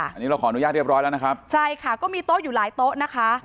อันนี้เราขออนุญาตเรียบร้อยแล้วนะครับใช่ค่ะก็มีโต๊ะอยู่หลายโต๊ะนะคะ